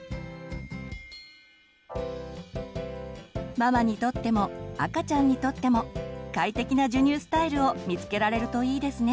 ママにとっても赤ちゃんにとっても快適な授乳スタイルを見つけられるといいですね。